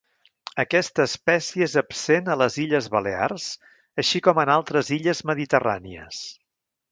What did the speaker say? Aquesta espècie és absent a les Illes Balears, així com en altres illes mediterrànies.